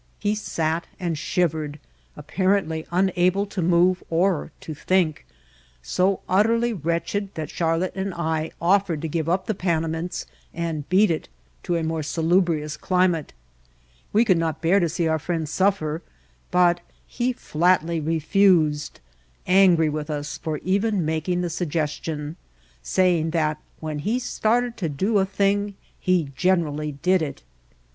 He sat and shivered, apparently unable to move or to think, so utterly wretched that Charlotte and I offered to give up the Panamints and ''beat it" to a more salubrious climate. We could not bear to see our friend suffer; but he flatly re fused, angry with us for even making the sug gestion, saying that when he started to do a thing he generally did it.